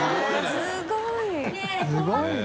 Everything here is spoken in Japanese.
すごいね。